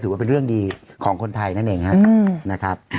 ถูกต้องอีกครับ